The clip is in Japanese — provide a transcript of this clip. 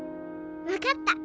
分かった！